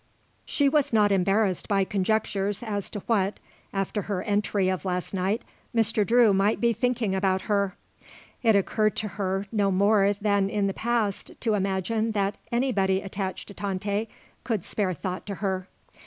She was not embarrassed by conjectures as to what, after her entry of last night, Mr. Drew might be thinking about her. It occurred to her no more than in the past to imagine that anybody attached to Tante could spare thought to her.